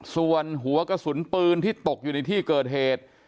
ส่วนหัวกระสุนปืนที่ตกอยู่ในที่เกิดเหตุ